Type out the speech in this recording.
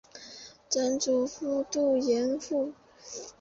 曾祖父杜彦父。